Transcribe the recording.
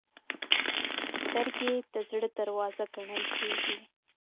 سترګې د زړه دروازه ګڼل کېږي